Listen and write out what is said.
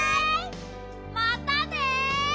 またね！